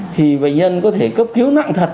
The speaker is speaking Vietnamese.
thì bệnh nhân có thể cấp cứu nặng thật